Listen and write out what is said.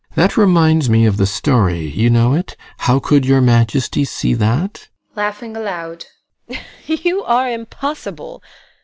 GUSTAV. That reminds me of the story you know it "How could your majesty see that?" TEKLA, [Laughing aloud] You are impossible!